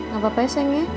gapapa ya seng ya